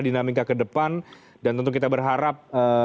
dinamika kedepan dan tentu kita berharap